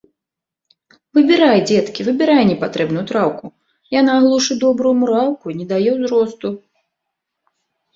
Выбірай, дзеткі, выбірай непатрэбную траўку, яна глушыць добрую мураўку і не дае ўзросту.